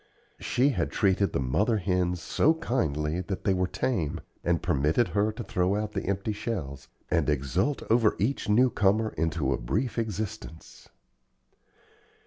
She had treated the mother hens so kindly that they were tame, and permitted her to throw out the empty shells, and exult over each new comer into a brief existence.